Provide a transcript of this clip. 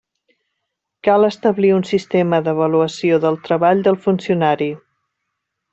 Cal establir un sistema d'avaluació del treball del funcionari.